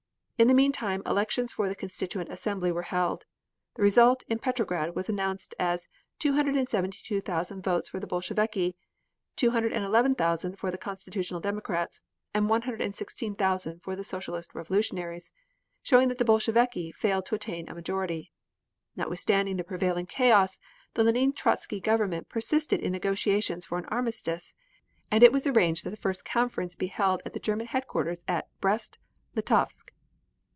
In the meantime elections for the Constituent Assembly were held. The result in Petrograd was announced as 272,000 votes for the Bolsheviki, 211,000 for the Constitutional Democrats, and 116,000 for the Social Revolutionaries, showing that the Bolsheviki failed to attain a majority. Notwithstanding the prevailing chaos, the Lenine Trotzky Government persisted in negotiations for an armistice, and it was arranged that the first conference be held at the German headquarters at Brest Litovsk.